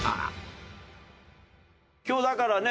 今日だからね